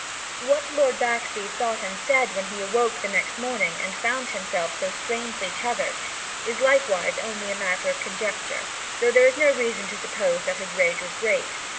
What Lord Baxby thought and said when he awoke the next morning, and found himself so strangely tethered, is likewise only matter of conjecture; though there is no reason to suppose that his rage was great.